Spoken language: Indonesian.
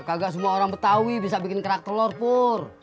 kagak semua orang betawi bisa bikin kerak telur pur